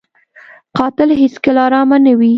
قاتل هېڅکله ارامه نه وي